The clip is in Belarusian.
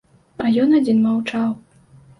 А ён адзін маўчаў.